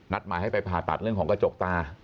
หมายให้ไปผ่าตัดเรื่องของกระจกตา